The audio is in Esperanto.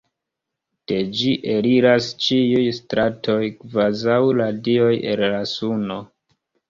De ĝi eliras ĉiuj stratoj kvazaŭ radioj el la suno.